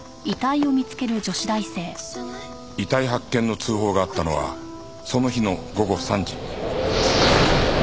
遺体発見の通報があったのはその日の午後３時。